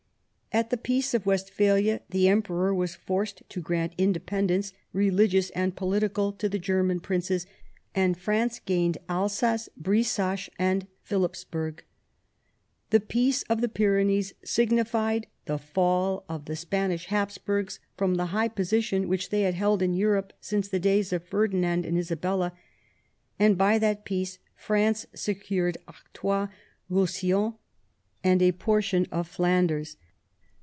At the Peace of Westphalia the Emperor was forced to grant independence, religious and political, to the German princes, and France gained Alsace, Brisach, and Philipsburg. The Peace of the Pyrenees signified the fall of the Spanish Hapsburgs from the high position which they had held in Europe since the days of Ferdinand and Isabella, and by that peace France secured Artois, Roussillon, and a portion of Flanders.